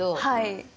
はい。